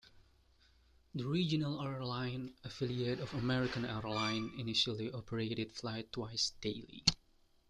The regional airline affiliate of American Airlines initially operated flights twice daily.